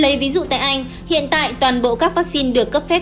lấy ví dụ tại anh hiện tại toàn bộ các vaccine được cấp phép